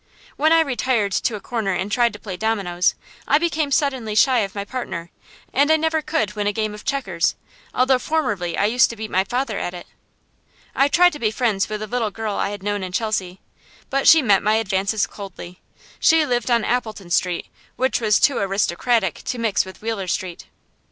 When I retired to a corner and tried to play dominoes, I became suddenly shy of my partner; and I never could win a game of checkers, although formerly I used to beat my father at it. I tried to be friends with a little girl I had known in Chelsea, but she met my advances coldly. She lived on Appleton Street, which was too aristocratic to mix with Wheeler Street.